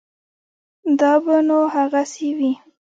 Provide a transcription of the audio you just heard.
دا به نو هغسې وي.